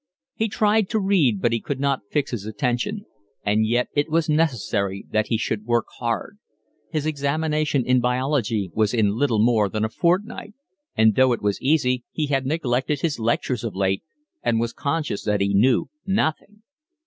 He tried to read, but he could not fix his attention; and yet it was necessary that he should work hard. His examination in biology was in little more than a fortnight, and, though it was easy, he had neglected his lectures of late and was conscious that he knew nothing.